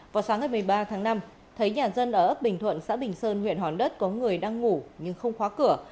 vào sáng ngày một mươi ba tháng năm thấy nhà dân ở ấp bình thuận xã bình sơn huyện hòn đất có người đang ngủ nhưng không khóa cửa